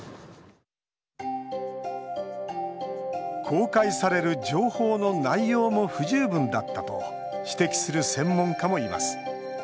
公開される情報の内容も不十分だったと指摘する専門家もいます。